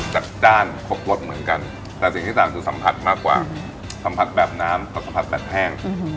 จัดจ้านครบรสเหมือนกันแต่สิ่งที่ต่างคือสัมผัสมากกว่าสัมผัสแบบน้ำผัดสัมผัสแบบแห้ง